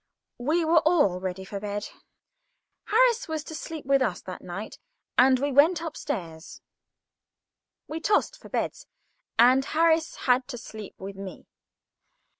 We were all ready for bed. Harris was to sleep with us that night, and we went upstairs. We tossed for beds, and Harris had to sleep with me.